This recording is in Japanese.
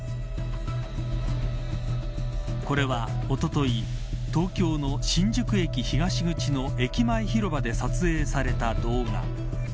これは、おととい東京の新宿駅東口の駅前広場で撮影された動画。